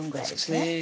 そうですね